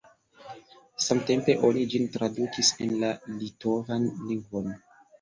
Samtempe oni ĝin tradukis en la litovan lingvon.